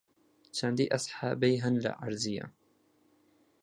چەندی ئەسحابەی هەن لە عەرزییە